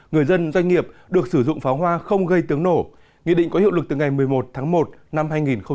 người dân doanh nghiệp được sử dụng pháo hoa không gây tiếng nổ nghị định có hiệu lực từ ngày một mươi một tháng một năm hai nghìn hai mươi